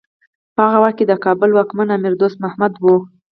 په هغه وخت کې د کابل واکمن امیر دوست محمد و.